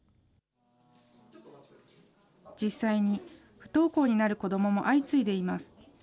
実際に不登校になる子どもも相次いでいます。